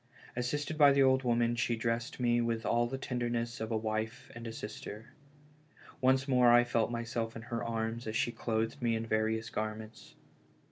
Assisted by the old woman she dressed me with all the tenderness of a wife and a sister. Once more I felt myself in her arms as she clothed me in various garments.